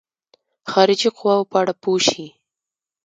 خارجي قواوو په اړه پوه شي.